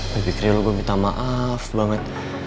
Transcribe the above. baby kriwil gua minta maaf banget